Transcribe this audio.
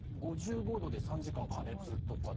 ℃で３時間加熱とか。